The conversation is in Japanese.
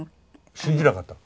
信じなかったの。